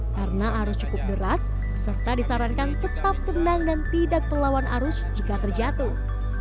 karena arus cukup deras beserta disarankan tetap tenang dan tidak pelawan arus jika terjatuh